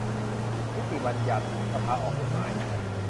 -นิติบัญญัติ : สภาออกกฎหมาย